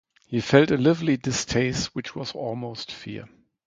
He felt a lively distaste, which was almost fear.